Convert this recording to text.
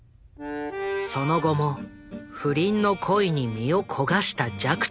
その後も不倫の恋に身を焦がした寂聴。